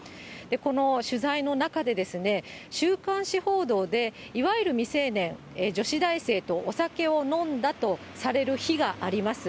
この取材の中で、週刊誌報道で、いわゆる未成年、女子大生とお酒を飲んだとされる日があります。